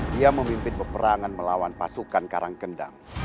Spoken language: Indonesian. dia memimpin peperangan melawan pasukan karangkendang